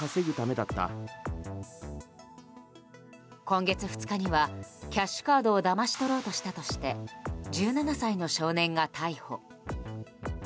今月２日にはキャッシュカードをだまし取ろうとしたとして１７歳の少年が逮捕。